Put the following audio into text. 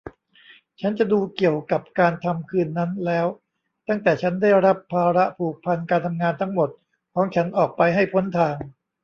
ฉันจะดูเกี่ยวกับการทำคืนนั้นแล้วตั้งแต่ฉันได้รับภาระผูกพันการทำงานทั้งหมดของฉันออกไปให้พ้นทาง